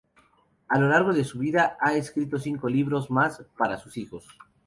A lo largo de su vida, ha escrito cinco libros más para sus hijos.